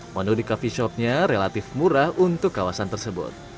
menu di coffee shopnya relatif murah untuk kawasan tersebut